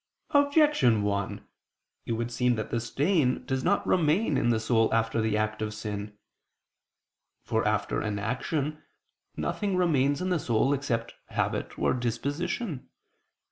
Objection 1: It would seem that the stain does not remain in the soul after the act of sin. For after an action, nothing remains in the soul except habit or disposition.